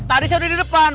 tadi saya udah di depan